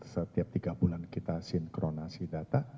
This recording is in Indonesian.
setiap tiga bulan kita sinkronasi data